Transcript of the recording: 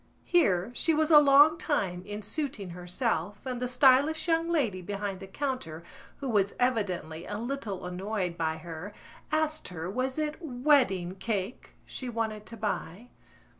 Here she was a long time in suiting herself and the stylish young lady behind the counter, who was evidently a little annoyed by her, asked her was it wedding cake she wanted to buy.